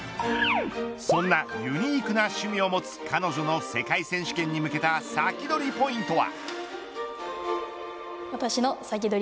そんなユニークな趣味を持つ彼女の世界選手権に向けたサキドリポイントは。